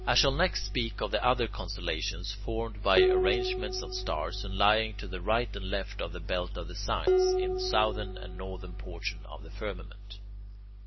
I shall next speak of the other constellations formed by arrangements of stars, and lying to the right and left of the belt of the signs, in the southern and northern portions of the firmament.